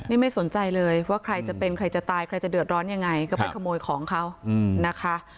นี่ไม่สนใจเลยว่าใครจะเป็นใครจะตายใครจะเดือดร้อนยังไงก็ไปขโมยของเขานะคะ